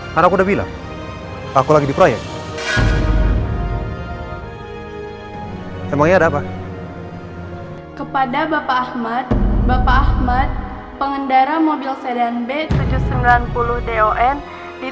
jangan sampai dia ketemu sama nandin